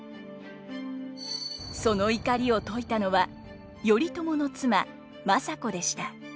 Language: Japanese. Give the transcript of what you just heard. その怒りを解いたのは頼朝の妻政子でした。